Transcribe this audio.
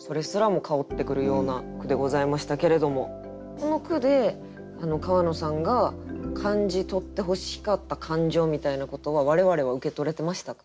この句で川野さんが感じとってほしかった感情みたいなことは我々は受け取れてましたか？